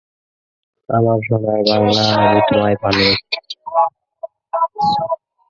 বইটিতে মুহাম্মদ ও ইসলামের প্রথম খলিফাদের প্রথম দিককার অভিযান বর্ণিত হয়েছে।